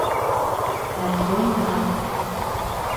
Ә Сонька...